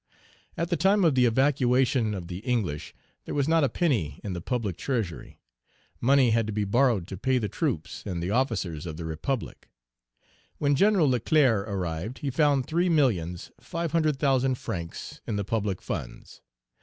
At the time of the evacuation of the English, there was not a penny in the public treasury; money had to be borrowed to pay the troops and the officers of the Republic. When Gen. Leclerc arrived, he found three millions, five hundred thousand francs in the public funds.